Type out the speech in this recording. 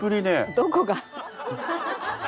どこが。